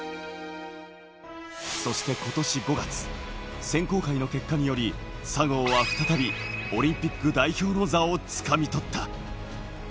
そして今年５月、選考会の結果により佐合は再びオリンピック代表の座をつかみ取った。